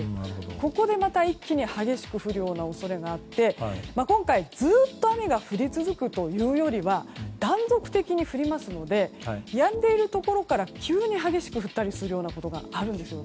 ここでまた一気に激しく降る恐れがあって今回、ずっと雨が降り続くというよりは断続的に降りますのでやんでいるところから急に激しく降ったりすることがあります。